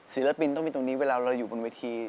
ศิลปินต้องมีตรงนี้เวลาเราอยู่บนเวที